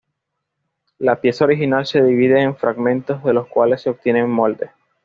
La pieza original se divide en fragmentos de los cuales se obtienen moldes.